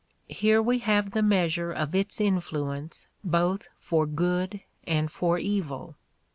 Here we have the measure of its influence both for good and for evil.